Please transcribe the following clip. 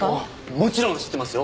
もちろん知ってますよ。